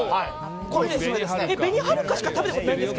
紅はるかしか食べたことないです。